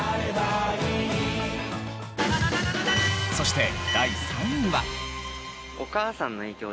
そして第３位は。